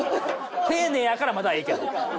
丁寧やからまだええけど。